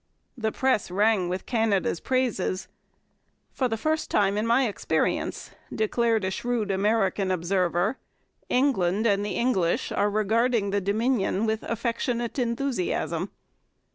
The press rang with Canada's praises. 'For the first time in my experience,' declared a shrewd American observer, 'England and the English are regarding the Dominion with affectionate enthusiasm.'